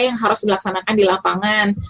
yang harus dilaksanakan di lapangan